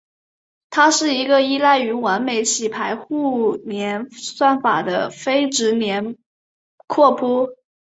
它是一个依赖于完美洗牌互联算法的非直连拓扑。